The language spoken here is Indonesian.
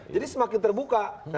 jadi semakin terbuka